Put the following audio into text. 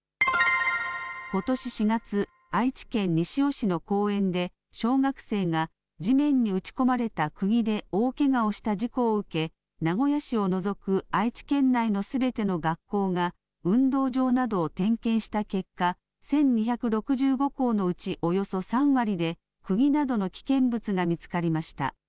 ことし４月、愛知県西尾市の公園で、小学生が地面に打ち込まれたくぎで大けがをした事故を受け、名古屋市を除く愛知県内のすべての学校が運動場などを点検した結果、１２６５校のうち、およそ３割で、くぎなどの危険物が見つかりました。